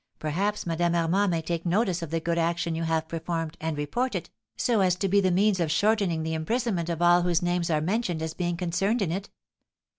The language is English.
perhaps Madame Armand may take notice of the good action you have performed, and report it, so as to be the means of shortening the imprisonment of all whose names are mentioned as being concerned in it.